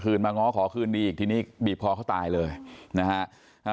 มาง้อขอคืนดีอีกทีนี้บีบคอเขาตายเลยนะฮะอ่า